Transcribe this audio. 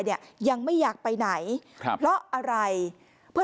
แม่ของแม่แม่ของแม่